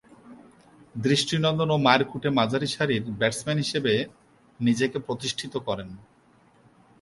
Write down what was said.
দৃষ্টিনন্দন ও মারকুটে মাঝারিসারির ব্যাটসম্যান হিসেবে নিজেকে প্রতিষ্ঠিত করেন।